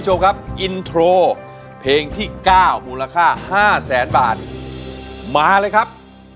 สวัสดีครับสวัสดีครับ